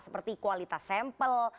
seperti kualitas sampel